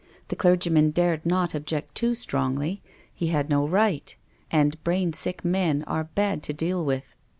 The clergy man dared not object too strongly. He had no right. And brain sick men are bad to deal with.